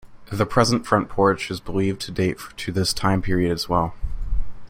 The present front porch is believed to date to this time period as well.